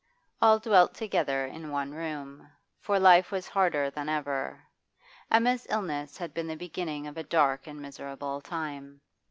All dwelt together in one room, for life was harder than ever. Emma's illness had been the beginning of a dark and miserable time.